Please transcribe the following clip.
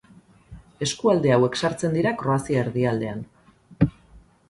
Eskualde hauek sartzen dira Kroazia erdialdean.